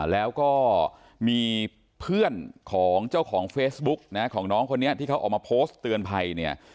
แล้วก็มีเพื่อนของเจ้าของเฟซบุ๊กนะของน้องคนนี้ที่เขาออกมาโพสต์เตือนภัยเนี่ย